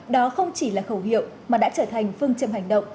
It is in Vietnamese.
đó không chỉ là khẩu hiệu mà đã trở thành phương châm hành động